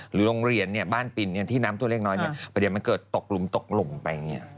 หรือโรงเรียนเนี่ยบ้านปินที่น้ำตัวเลี้ยงน้อยเนี่ยไปเดี๋ยวมันเกิดตกหลุมตกหลุมไปเนี่ย